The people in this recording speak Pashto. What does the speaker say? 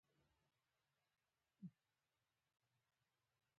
د دنيا پېغورونه، سپکې سپورې هر څه اورم.